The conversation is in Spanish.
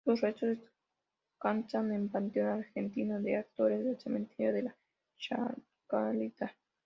Sus restos descansan en panteón argentino de actores del Cementerio de la Chacarita.